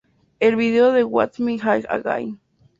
El video de "What's My Age Again?